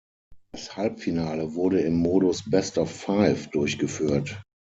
Das Halbfinale wurde im Modus „Best of Five“ durchgeführt.